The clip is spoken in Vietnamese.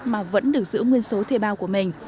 mà vẫn được giữ nguyên số thuê bao của mình